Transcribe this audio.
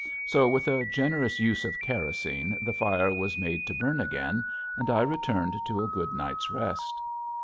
So with a generous use of kerosene the fire was made to burn again and I returned to a good night's rest.